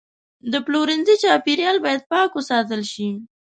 د پلورنځي چاپیریال باید پاک وساتل شي.